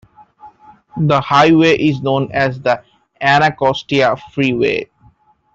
The highway is known as the Anacostia Freeway.